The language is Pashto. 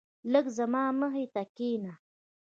لږ زما مخی ته کينه